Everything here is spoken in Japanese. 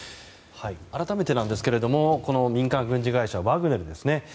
改めてですが民間軍事会社ワグネルですね。